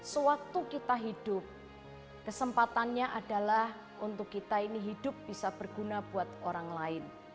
sewaktu kita hidup kesempatannya adalah untuk kita ini hidup bisa berguna buat orang lain